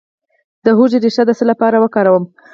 د هوږې ریښه د څه لپاره وکاروم؟